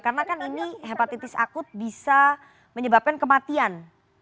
karena kan ini hepatitis akut bisa menyebabkan kematian